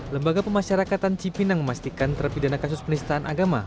lembaga pemasyarakatan cipinang memastikan terpidana kasus penistaan agama